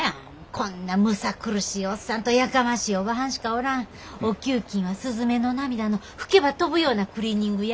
こんなむさ苦しいおっさんとやかましいおばはんしかおらんお給金はすずめの涙の吹けば飛ぶようなクリーニング屋。